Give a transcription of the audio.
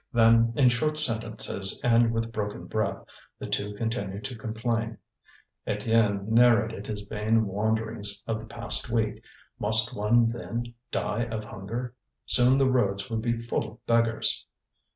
Then, in short sentences and with broken breath, the two continued to complain. Étienne narrated his vain wanderings of the past week: must one, then, die of hunger? Soon the roads would be full of beggars.